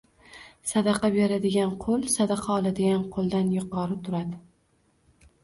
Sadaqa beradigan qo‘l sadaqa oladigan qo‘ldan yuqori turadi.